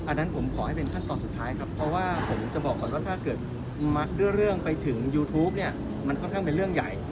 อันนั้นผมขอให้เป็นขั้นตอนสุดท้ายครับเพราะว่าผมจะบอกก่อนว่าถ้าเกิดเรื่องไปถึงยูทูปเนี่ยมันค่อนข้างเป็นเรื่องใหญ่